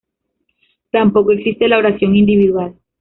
Tampoco existe la oración individual.